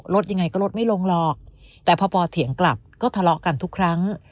รถยังไงก็ลดไม่ลงหรอกแต่พอปอเถียงกลับก็ทะเลาะกันทุกครั้ง